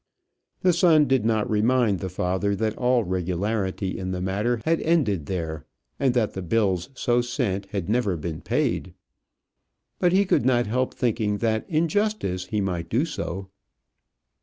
The son did not remind the father that all regularity in the matter had ended there, and that the bills so sent had never been paid; but he could not help thinking that in justice he might do so.